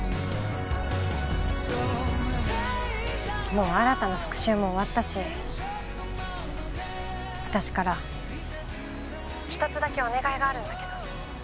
もう新の復讐も終わったし私から一つだけお願いがあるんだけど。